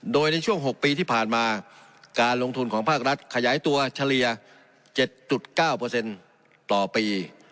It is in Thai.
โดยในช่วง๖ปีที่ผ่านมาการลงทุนของภาครัฐขยายตัวเฉลี่ย๗๙ต่อปี